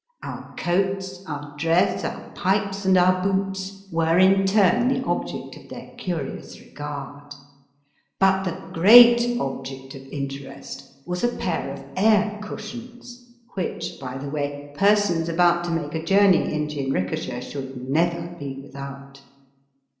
Our coats, our dress, our pipes, and our boots were in turn the object of their curious regard. But the great object of in terest was a pair of air cushions, which, by the way, persons about to make a journey in jinrikisha should never be without.